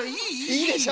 いいでしょ？